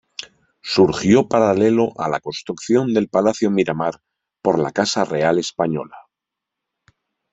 Surgió paralelo a la construcción del Palacio Miramar por la Casa Real española.